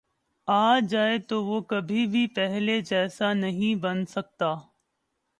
آ جائے تو وہ کبھی بھی پہلے جیسا نہیں بن سکتا